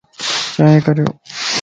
چائين ڪريو